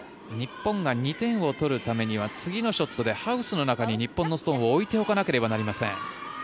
日本が２点を取るためには次のショットでハウスの中に日本のストーンを置いておかなければなりません。